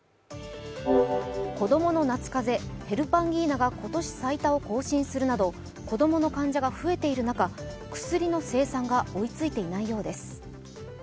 子供の夏風邪、ヘルパンギーナが今年最高を更新するなど子供の患者が増えている中、薬の生産が追いついていないようです。